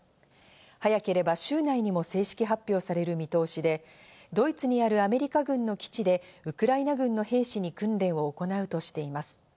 早ければ週内にも正式発表される見通しで、ドイツにあるアメリカ軍の基地でウクライナ軍の兵士に訓練を行うとしています。